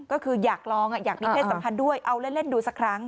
ก็คืออยากลองอยากมีเพศสัมพันธ์ด้วยเอาเล่นดูสักครั้ง